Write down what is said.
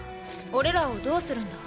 おれらをどうするんだ？